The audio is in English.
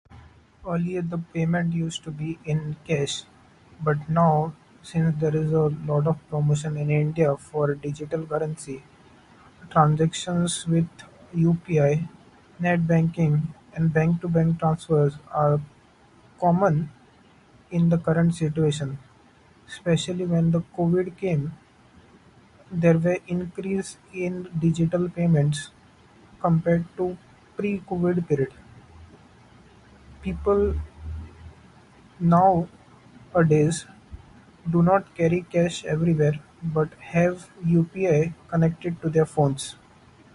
Earlier, the payment used to be in cash. But now, since the result of a lot of promise in India for digital currency. Transactions with UPI, NetBanking, and bank-to-bank transfers are common in the current situation. Especially when the COVID came. There were increase in digital payments compared to pre-COVID period. People nowadays do not carry cash everywhere, but have UPI connected to their phones.